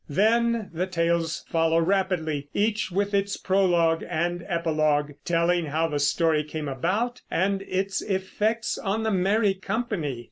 Then the tales follow rapidly, each with its prologue and epilogue, telling how the story came about, and its effects on the merry company.